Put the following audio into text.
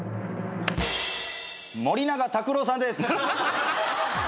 森永卓郎さんです。